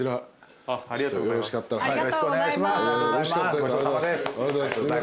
ありがとうございます。